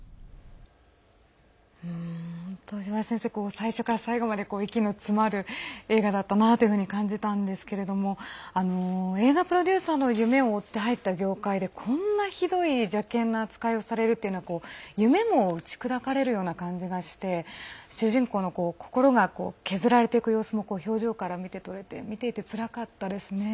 最初から最後まで息の詰まる映画だなと感じたんですけれども映画プロデューサーの夢を追って入った業界でこんなひどい邪険な扱いをされるというのは夢も打ち砕かれるような感じがして主人公の心が削られていく様子も見て取れて、つらかったですね。